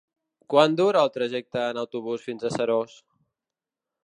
Quant dura el trajecte en autobús fins a Seròs?